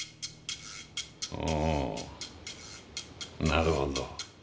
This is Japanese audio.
なるほど。